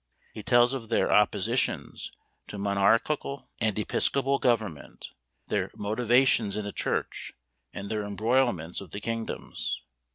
He tells of their "oppositions" to monarchical and episcopal government; their "innovations" in the church; and their "embroilments" of the kingdoms.